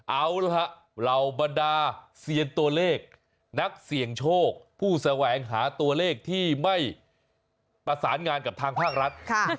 เอาละฮะเหล่าบรรดาเซียนตัวเลขนักเสี่ยงโชคผู้แสวงหาตัวเลขที่ไม่ประสานงานกับทางภาครัฐ